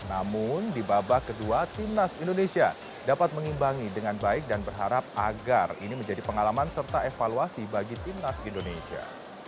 namun di babak kedua timnas indonesia dapat mengimbangi dengan baik dan berharap agar ini menjadi pengalaman serta evaluasi bagi timnas indonesia